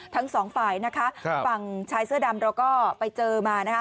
ทั้งสองฝ่ายนะคะฝั่งชายเสื้อดำเราก็ไปเจอมานะคะ